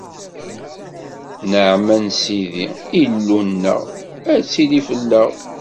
Nneɛma n Sidi, Illu-nneɣ, ad tili fell-aɣ!